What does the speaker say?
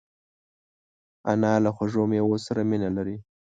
انا له خوږو مېوو سره مینه لري